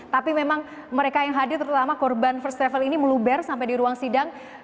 tapi memang mereka yang hadir terutama korban first travel ini meluber sampai di ruang sidang